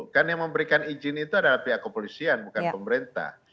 kan yang memberikan izin itu adalah pihak kepolisian bukan pemerintah